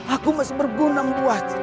aku masih berguna membuat